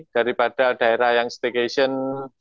daripada daerah yang staycation